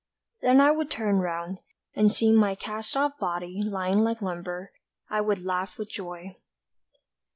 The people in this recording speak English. Then I would turn round, And seeing my cast off body lying like lumber, I would laugh with joy.